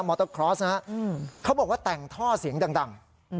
อเตอร์คลอสนะฮะเขาบอกว่าแต่งท่อเสียงดัง